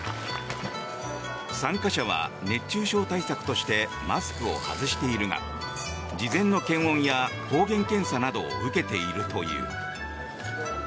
参加者は熱中症対策としてマスクを外しているが事前の検温や抗原検査などを受けているという。